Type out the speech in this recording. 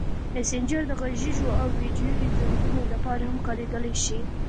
مسېنجر د غږیزو او ویډیويي زنګونو لپاره هم کارېدلی شي.